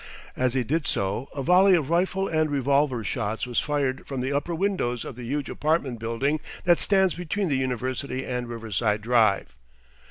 As he did so a volley of rifle and revolver shots was fired from the upper windows of the huge apartment building that stands between the University and Riverside Drive.